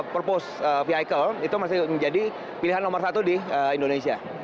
purpose vehicle itu masih menjadi pilihan nomor satu di indonesia